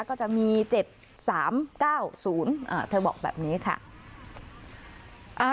ก็จะมีเจ็ดสามเก้าศูนย์อ่าเธอบอกแบบนี้ค่ะอ่า